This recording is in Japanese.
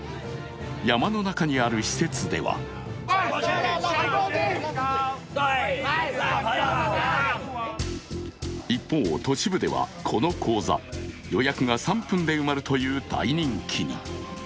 山の中にある施設では一方、都市部ではこの講座、予約が３分で埋まるという大人気に。